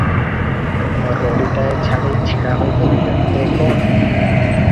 ରଡ଼ିଟାଏ ଛାଡ଼ି ଛିଡ଼ା ହୋଇପଡ଼ିଲେ, "ଏଁ କଣ?